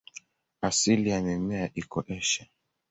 Asili ya mimea iko Asia.